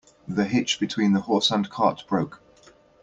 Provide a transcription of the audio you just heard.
The hitch between the horse and cart broke.